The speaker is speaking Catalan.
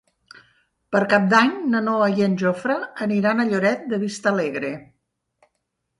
Per Cap d'Any na Noa i en Jofre aniran a Lloret de Vistalegre.